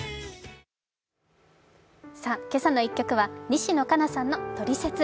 「けさの１曲」は西野カナさんの「トリセツ」。